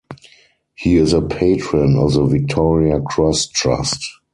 He is a patron of the Victoria Cross Trust.